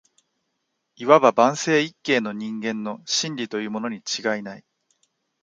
謂わば万世一系の人間の「真理」とかいうものに違いない